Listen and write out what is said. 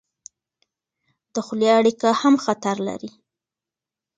د خولې اړیکه هم خطر لري.